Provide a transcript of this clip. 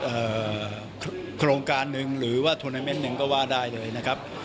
โครงการหนึ่งหรือว่าโทรนาเมนต์หนึ่งก็ว่าได้เลยนะครับ